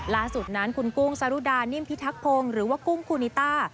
ล่าสุดนั้นคุณกุ้งสรุดานิ่มพิทักพงศ์หรือว่ากุ้งคูณิต้า